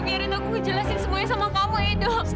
biarin aku ngejelasin semuanya sama kamu edo